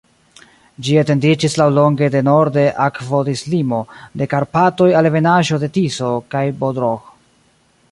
Ĝi etendiĝis laŭlonge de norde akvodislimo de Karpatoj al ebenaĵo de Tiso kaj Bodrog.